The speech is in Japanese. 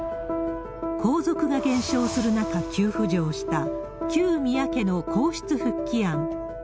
皇族が減少する中、急浮上した旧宮家の皇室復帰案。